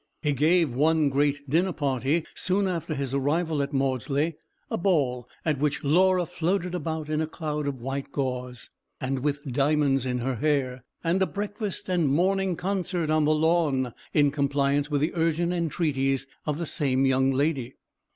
He gave one great dinner party soon after his arrival at Maudesley, a ball, at which Laura floated about in a cloud of white gauze, and with diamonds in her hair; and a breakfast and morning concert on the lawn, in compliance with the urgent entreaties of the same young lady.